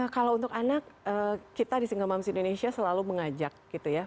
kalau untuk anak kita di single moms indonesia selalu mengajak gitu ya